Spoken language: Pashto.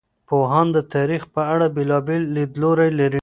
پوهان د تاریخ په اړه بېلابېل لیدلوري لري.